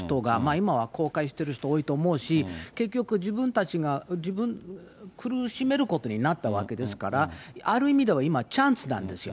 今はこうかいしてる人多いと思うし、結局自分たちが苦しめることになったわけですから、ある意味では今チャンスなんですよ。